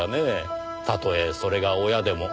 たとえそれが親でも。